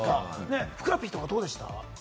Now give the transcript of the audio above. ふくらＰとかはどうでした？